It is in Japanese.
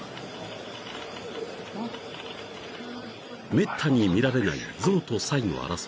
［めったに見られない象とサイの争い］